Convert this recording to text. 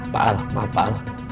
pak maaf pak